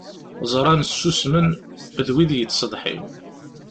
Ẓṛan, ssusmen, d wid yettṣeḍḥin.